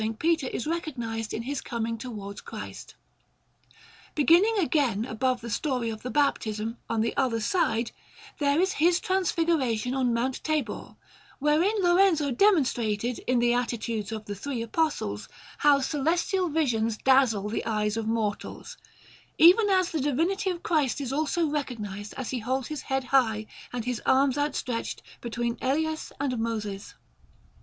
Peter is recognized in his coming towards Christ. Beginning again above the story of the Baptism, on the other side, there is His Transfiguration on Mount Tabor, wherein Lorenzo demonstrated, in the attitudes of the three Apostles, how celestial visions dazzle the eyes of mortals; even as the Divinity of Christ is also recognized as He holds His head high and His arms outstretched, between Elias and Moses.